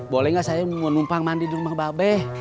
boleh nggak saya menumpang mandi dulu mbak be